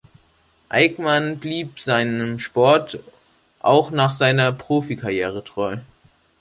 Aikman blieb seinem Sport auch nach seiner Profikarriere treu.